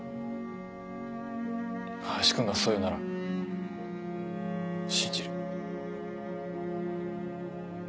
林君がそう言うなら信じる。